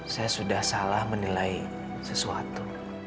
saya sudah salah menilai sesuatu